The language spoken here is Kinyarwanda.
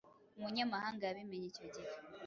Umunyamahanga yabimenye icyo gihe